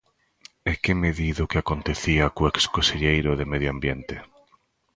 ¿E que me di do que acontecía co exconselleiro de Medio Ambiente?